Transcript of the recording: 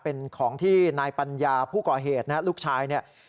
เป็นของที่นายปัญญาผู้ก่อเหตุนะฮะลูกชายเนี่ย